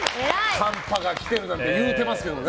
寒波が来てるなんて言うてますけどね。